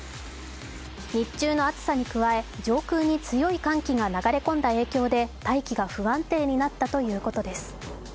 日中の暑さに加え上空に強い寒気が流れ込んだ影響で大気が不安定になったということです。